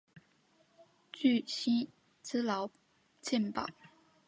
具薪资劳健保